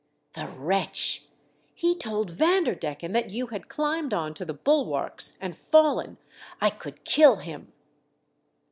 " The wretch ! He told Vanderdecken that you had climbed on to the bulwarks and 336 THE DEATH SHIP. fallen. I could kill him